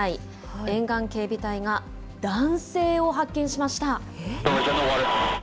沿岸警備隊が男性を発見しました。